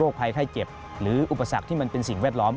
ภัยไข้เจ็บหรืออุปสรรคที่มันเป็นสิ่งแวดล้อม